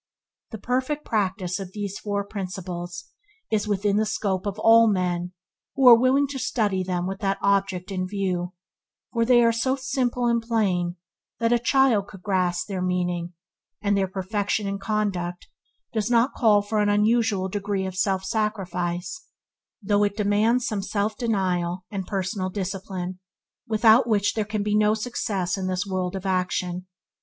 The perfect practice of these four principles is within the scope of all men who are willing to study them with that object in view, for they are so simple and plain that a child could grasp their meaning, and their perfection in conduct does not call for an unusual degree of self sacrifice, though it demands some self denial and personal discipline without which there can be no success in this world of action.